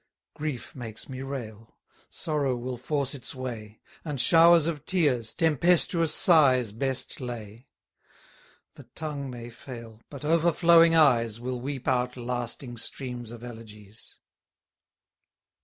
Grief makes me rail; sorrow will force its way; And showers of tears, tempestuous sighs best lay. 90 The tongue may fail; but overflowing eyes Will weep out lasting streams of elegies.